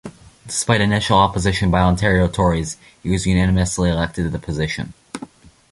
Despite initial opposition by Ontario Tories, he was unanimously elected to the position.